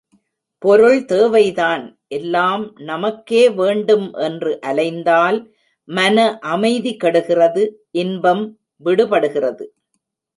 பொருள் தேவைதான் எல்லாம் நமக்கே வேண்டும் என்று அலைந்தால் மன அமைதி கெடுகிறது இன்பம் விடுபடுகிறது.